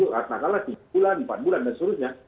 karena kala tiga bulan empat bulan dan seterusnya